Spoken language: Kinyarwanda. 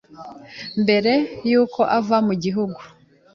mbere y’uko ava mu gihugu